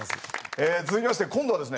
え続きまして今度はですね